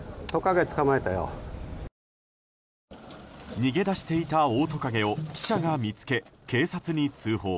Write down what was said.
逃げだしていたオオトカゲを記者が見つけ警察に通報。